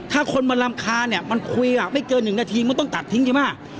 ถ้าคนมันรำคาญเนี่ยมันคุยไม่เกิน๑นาทีมันต้องตัดทิ้งใช่ไหม